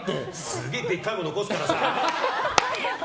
すげえでっかい声で怒るからさ。